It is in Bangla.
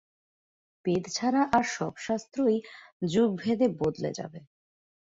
বেদ ছাড়া আর সব শাস্ত্রই যুগভেদে বদলে যাবে।